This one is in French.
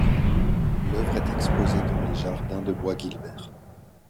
L'œuvre est exposée dans les jardins de Bois-Guilbert.